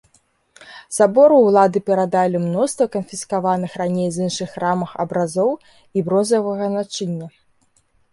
Сабору ўлады перадалі мноства канфіскаваных раней з іншых храмаў абразоў і бронзавага начыння.